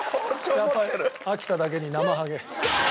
やっぱり秋田だけになまはげ。